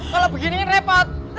kalau begini repot